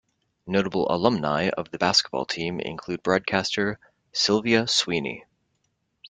Notable alumnae of the basketball team include broadcaster Sylvia Sweeney.